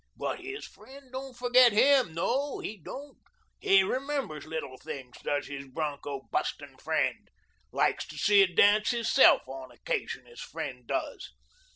But his friend don't forget him; no, he don't. He remembers little things, does his broncho bustin' friend. Likes to see a dance hisself on occasion, his friend does.